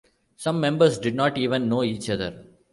Some members did not even know each other.